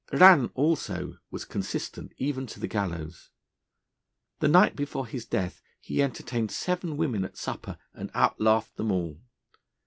Rann, also, was consistent, even to the gallows. The night before his death he entertained seven women at supper, and outlaughed them all.